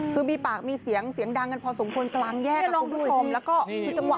คือมีปากมีเสียงเสียงดังกันพอสมควรกลางแยกอ่ะคุณผู้ชมแล้วก็คือจังหวะ